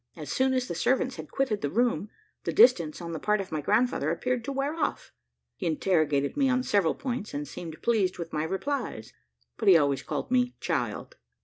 As soon as the servants had quitted the room, the distance on the part of my grand father appeared to wear off. He interrogated me on several points, and seemed pleased with my replies; but he always called me "child."